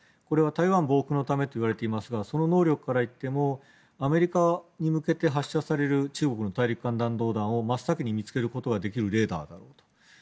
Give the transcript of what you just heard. これは台湾防空のためといわれていますがその能力からいってもアメリカに向けて発射される中国の大陸間弾道弾を真っ先に見つけることができるレーダーだろうと。